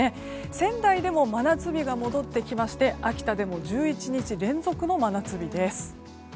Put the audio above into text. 仙台でも真夏日が戻ってきまして秋田でも１１日連続の真夏日です。